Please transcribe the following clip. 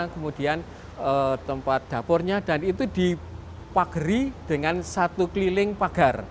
kemudian tempat dapurnya dan itu dipageri dengan satu keliling pagar